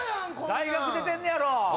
大学出てんねやろ！